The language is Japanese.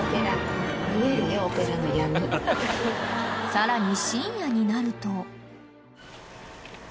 ［さらに］